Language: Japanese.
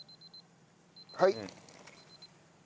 はい。